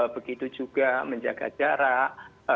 begitu juga menjaga jarak